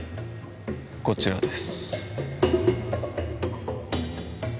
こちらです。